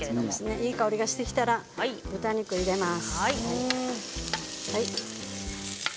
いい香りがしてきたら豚バラ肉を入れます。